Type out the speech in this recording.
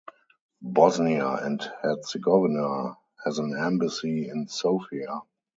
Bosnia and Herzegovina has an embassy in Sofia.